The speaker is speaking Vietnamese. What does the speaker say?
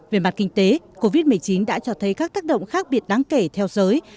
về mặt kinh tế covid một mươi chín đã cho thấy các tác động khác biệt đáng kể theo giới